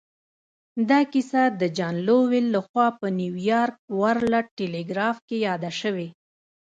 دا کیسه د جان لویل لهخوا په نیویارک ورلډ ټیليګراف کې یاده شوې